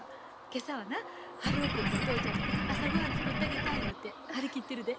今朝はな春男君とお父ちゃんに朝ごはん作ってあげた言うて張り切ってるで。